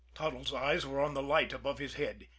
Toddles' eyes were on the light above his head.